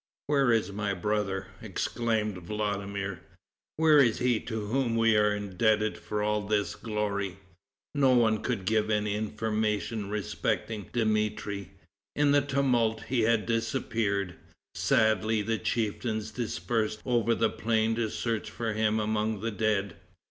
"Where is my brother?" exclaimed Vladimir; "where is he to whom we are indebted for all this glory?" No one could give any information respecting Dmitri. In the tumult he had disappeared. Sadly the chieftains dispersed over the plain to search for him among the dead.